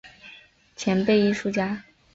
前辈艺术家